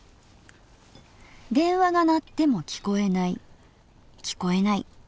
電話が鳴ってもきこえないきこえない。